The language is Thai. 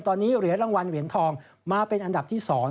ตอนนี้เหรียญรางวัลเหรียญทองมาเป็นอันดับที่๒